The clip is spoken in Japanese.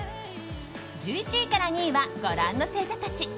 １１位から２位はご覧の星座たち。